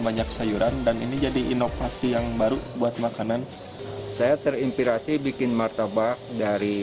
banyak sayuran dan ini jadi inovasi yang baru buat makanan saya terinspirasi bikin martabak dari